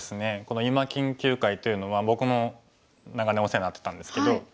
この今研究会というのは僕も長年お世話になってたんですけど。